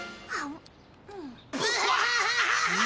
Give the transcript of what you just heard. アハハハッ。